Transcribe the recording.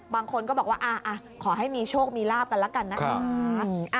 บางคนก็บอกว่าขอให้มีโชคมีลาบกันแล้วกันนะคะ